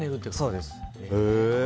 そうです。